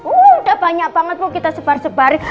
udah banyak banget bu kita sebar sebar